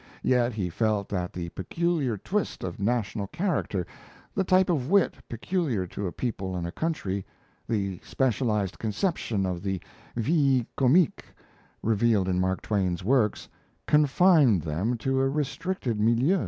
Yet he felt that the peculiar twist of national character, the type of wit peculiar to a people and a country, the specialized conception of the vis comica revealed in Mark Twain's works, confined them to a restricted milieu.